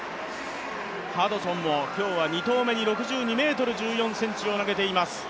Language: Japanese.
ハドソンも今日は２投目に６２ｍ１４ｃｍを投げています。